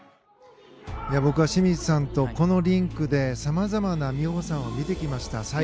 僕は清水さんとこのリンクでさまざまな美帆さんを見てきました。